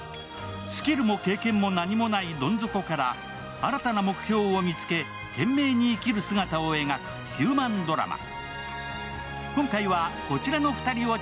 スキルも経験も何もないどん底から新たな目標を見つけ懸命に生きる姿を描くヒューマンドラマ。